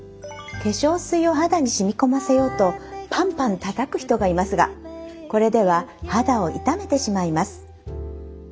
化粧水を肌に染み込ませようとパンパンたたく人がいますがこれでは肌を傷めてしまいます。